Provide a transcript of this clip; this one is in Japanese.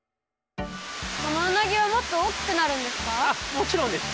もちろんです！